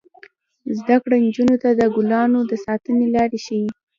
زده کړه نجونو ته د ګلانو د ساتنې لارې ښيي.